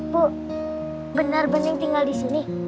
bu benar benar tinggal di sini